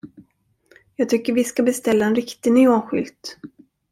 Jag tycker vi ska beställa en riktig neonskylt.